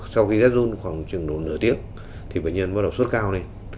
sau khi rét ru khoảng trường độ nửa tiếng thì bệnh nhân bắt đầu sốt cao lên